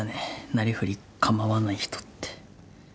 なりふり構わない人って